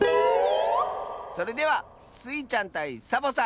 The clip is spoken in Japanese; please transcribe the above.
それではスイちゃんたいサボさん